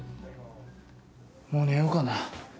もう寝ようかな